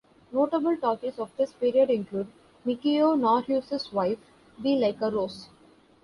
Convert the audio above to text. Notable talkies of this period include Mikio Naruse's Wife, Be Like A Rose!